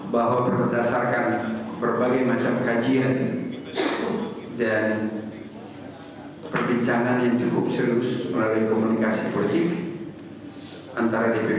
bahwa berdasarkan berbagai macam kajian dan perbincangan yang cukup serius